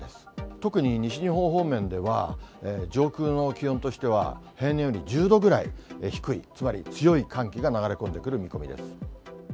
特に西日本方面では、上空の気温としては平年より１０度ぐらい低い、つまり強い寒気が流れ込んでくる見込みです。